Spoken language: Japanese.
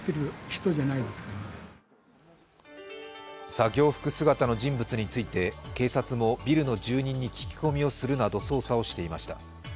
作業服姿の人物について警察もビルの住人に聞き込みをするなど捜査していました。